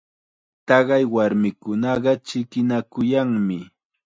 Taqay warmikunaqa chikinakuyanmi.